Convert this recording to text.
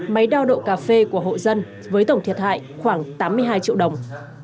máy đao độ cà phê của hộ dân với tổng thiệt hại khoảng tám mươi hai triệu đồng